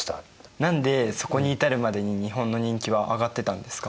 何でそこに至るまでに日本の人気は上がってたんですか？